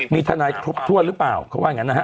มีทนายครบถ้วนหรือเปล่าเขาว่างั้นนะฮะ